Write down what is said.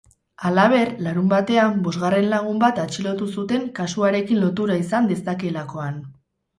Halaber, larunbatean bosgarren lagun bat atxilotu zuten kasuarekin lotura izan dezakeelakoan.